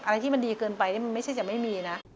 อะไรที่มันดีเกินไปนี่มันไม่ใช่จะไม่มีนะ